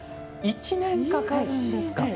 １年かかるんですか！